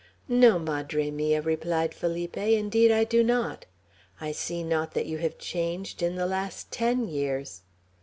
"No, madre mia," replied Felipe, "indeed I do not. I see not that you have changed in the last ten years."